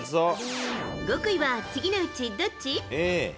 極意は次のうち、どっち？